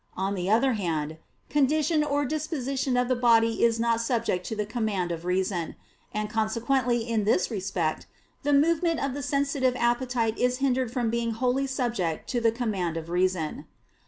On the other hand, condition or disposition of the body is not subject to the command of reason: and consequently in this respect, the movement of the sensitive appetite is hindered from being wholly subject to the command of reason.